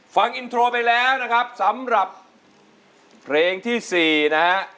ฟังอินโทรไปแล้วนะครับสำหรับเพลงที่๔นะฮะ